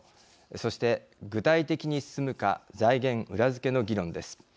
そして、具体的に進むか財源裏付けの議論です。